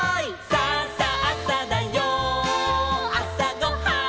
「さあさあさだよあさごはん」